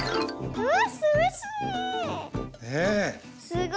うわ。